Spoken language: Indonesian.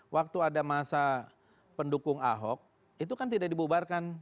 waktu ada masa pendukung ahok itu kan tidak dibubarkan